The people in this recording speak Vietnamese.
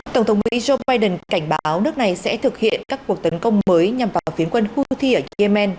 tổng thống mỹ joe biden cảnh báo nước này sẽ thực hiện các cuộc tấn công mới nhằm vào phiến quân houthi ở yemen